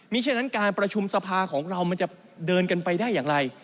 ฉะนั้นการประชุมสภาของเรามันจะเดินกันไปได้อย่างไร